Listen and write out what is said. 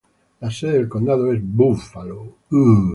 La sede del condado es Buffalo.